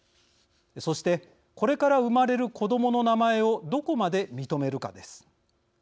そしてこれから生まれる子どもの名前をどこまで認めるかです。